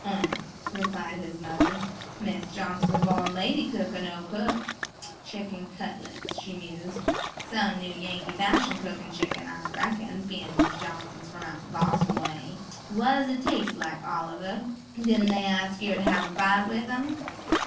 "Um," replied his mother, "Mis' Johnson's a born lady cook or no cook. Chicken cutlets," she mused. "Some new Yankee fashion cookin' chicken, I reckon, bein' Mis' Johnson's from out Bos'n way. Wha's it taste like, Oliver, didn't they ask yer to have a bite with 'em"?